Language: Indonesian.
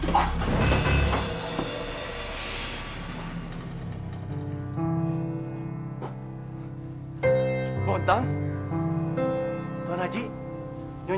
tapi tetap akan kubunuh